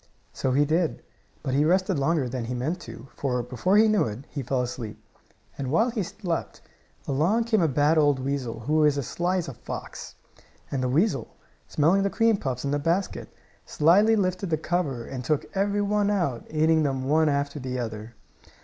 So he did, but he rested longer than he meant to, for, before he knew it, he fell asleep. And while he slept, along came a bad old weasel, who is as sly as a fox. And the weasel, smelling the cream puffs in the basket, slyly lifted the cover and took every one out, eating them one after the other.